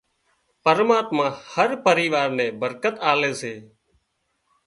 پرماتما هر پريوار نين برڪت آلي سي